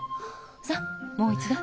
さあもう一度。